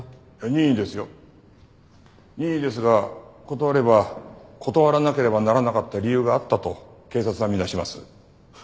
任意ですが断れば断らなければならなかった理由があったと警察は見なします。